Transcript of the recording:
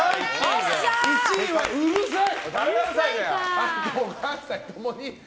１位はうるさい！